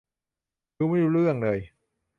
ดูไม่รู้เรื่องเลย